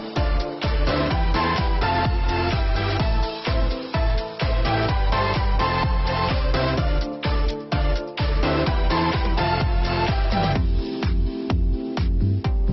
ติดตามต่อไป